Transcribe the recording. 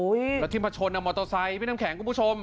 ดินเตียงคิมพัชชนมอเตอร์ไซค์พี่น้ำแข็งคุณผู้ชม